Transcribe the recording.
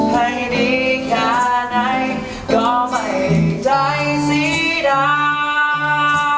ให้ดีแค่ไหนก็ไม่ใจสีดา